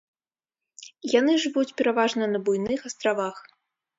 Яны жывуць пераважна на буйных астравах.